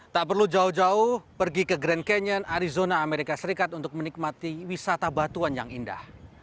tak perlu jauh jauh pergi ke grand canyon arizona amerika serikat untuk menikmati wisata batuan yang indah